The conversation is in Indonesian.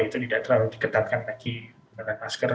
itu tidak terlalu diketatkan lagi menggunakan masker